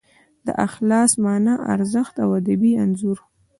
د اخلاص مانا، ارزښت او ادبي انځور